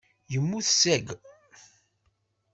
Yemmut seg uɛeyyu.